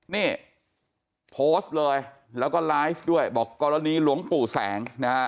นี่โพสต์เลยแล้วก็ไลฟ์ด้วยบอกกรณีหลวงปู่แสงนะฮะ